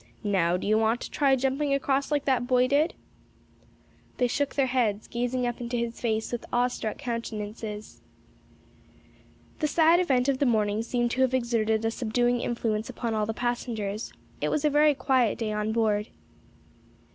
"Now do you want to try jumping across like that boy did?" They shook their heads, gazing up into his face with awe struck countenances. The sad event of the morning seemed to have exerted a subduing influence upon all the passengers; it was a very quiet day on board.